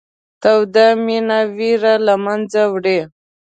توده مینه وېره له منځه وړي.